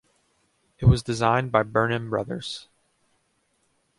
It was designed by Burnham Brothers.